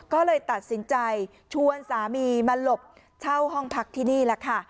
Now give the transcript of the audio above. ก็เลยตัดสินใจชวนสามีมาหลบเช่าห้องพักที่นี่แหละค่ะ